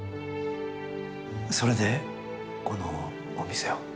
それでこのお店を？